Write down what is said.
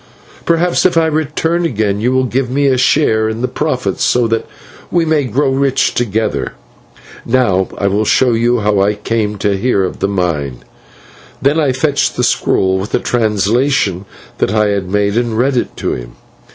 Perhaps, if I return again, you will give me a share in the profits, so that we may grow rich together. And now I will show you how I came to hear of the mine." And I fetched the scroll, with the translation which I had made, and read it to him.